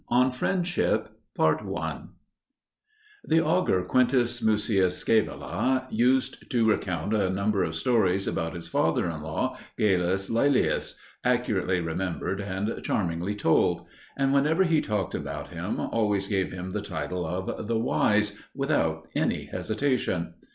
ON FRIENDSHIP THE augur Quintus Mucius Scaevola used to recount a number of stories about his father in law Galus Laelius, accurately remembered and charmingly told; and whenever he talked about him always gave him the title of "the wise" without any hesitation.